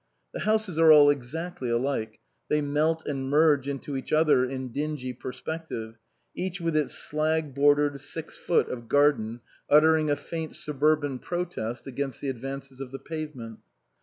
The houses are all exactly alike ; they melt and merge into each other in dingy perspective, each with its slag bordered six foot of garden uttering a faint suburban protest against the advances of the pavement.